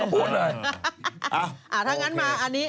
ทำงั้นมาอันนี้